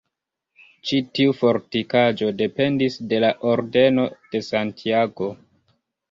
Ĉi tiu fortikaĵo dependis de la Ordeno de Santiago.